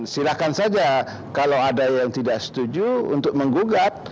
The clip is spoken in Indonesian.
silakan saja kalau ada yang tidak setuju untuk mengugat